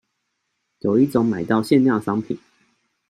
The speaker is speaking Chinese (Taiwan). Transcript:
有一種買到限量商品